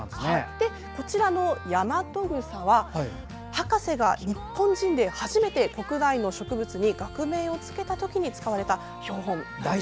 こちらのヤマトグサは博士が日本人で初めて国内の植物に学名をつけた時に使われた標本。